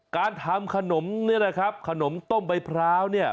การทำขนมเนี่ยนะครับขนมต้มใบพร้าวเนี่ย